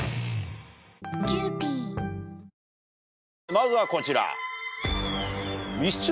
まずはこちら。